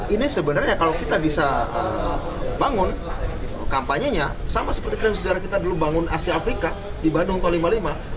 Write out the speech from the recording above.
ini sebenarnya kalau kita bisa bangun kampanyenya sama seperti krim sejarah kita dulu bangun asia afrika di bandung tahun seribu sembilan ratus lima puluh lima